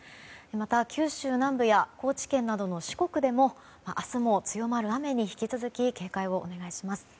また、九州南部や高知県などの四国でも明日も強まる雨に引き続き警戒をお願いします。